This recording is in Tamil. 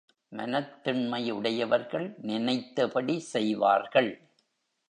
மனத்திண்மை உடையவர்கள் நினைத்தபடி செய்வார்கள்.